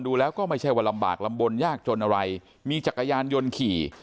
ดูแล้วก็ไม่ใช่ว่าลำบากลำบลยากจนอะไรมีจักรยานยนต์ขี่